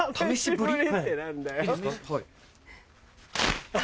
はい。